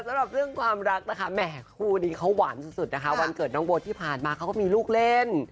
สำหรับเรื่องความรักนะคะแหมคู่นี้เขาหวานสุดนะคะวันเกิดน้องโบที่ผ่านมาเขาก็มีลูกเล่น